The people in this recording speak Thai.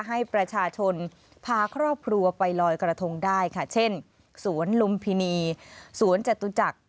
ให้ประชาชนพาครอบครัวไปลอยกระทงได้ค่ะเช่นสวนลุมพินีสวนจตุจักร